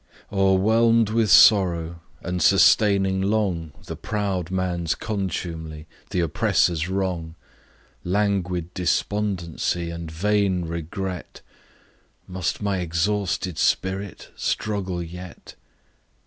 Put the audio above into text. O'ERWHELM'D with sorrow, and sustaining long "The proud man's contumely, th' oppressor's wrong," Languid despondency, and vain regret, Must my exhausted spirit struggle yet?